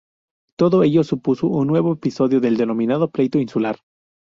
Todo ello supuso un nuevo episodio del denominado pleito insular.